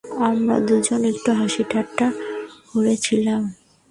আমরা দুজনে একটু হাসি ঠাট্টা করছিলাম।